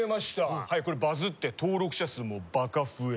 これバズって登録者数もうばか増え！